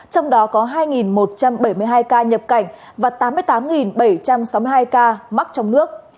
trong đó có hai một trăm bảy mươi hai ca nhập cảnh và tám mươi tám bảy trăm sáu mươi hai ca mắc trong nước